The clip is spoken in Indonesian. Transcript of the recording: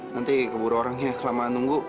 nanti keburu orangnya kelamaan nunggu